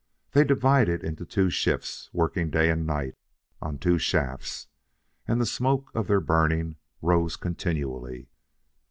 They divided into two shifts, working day and night, on two shafts, and the smoke of their burning rose continually.